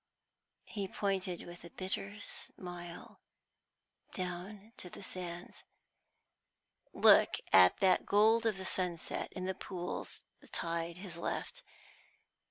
He pointed with a bitter smile down to the sands. "Look at that gold of the sunset in the pools the tide has left.